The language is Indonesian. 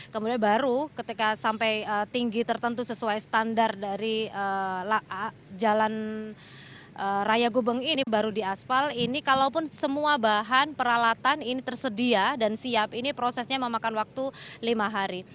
kemudian baru ketika sampai tinggi tertentu sesuai standar dari jalan raya gubeng ini baru diaspal ini kalaupun semua bahan peralatan ini tersedia dan siap ini prosesnya memakan waktu lima hari